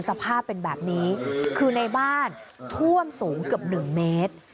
สภาพเป็นแบบนี้คือในบ้านท่วมสูงเกือบ๑เมตร